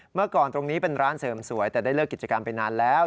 เมื่อก่อนตรงนี้เป็นร้านเสริมสวยแต่ได้เลิกกิจกรรมไปนานแล้ว